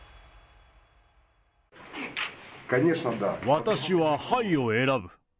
私は、はいを選ぶ。